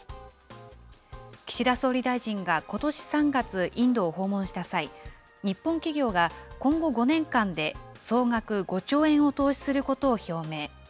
岸田総理大臣がことし３月、インドを訪問した際、日本企業が今後５年間で総額５兆円を投資することを表明。